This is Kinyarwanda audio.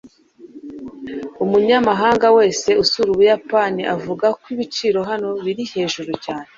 Umunyamahanga wese usuye Ubuyapani avuga ko ibiciro hano biri hejuru cyane.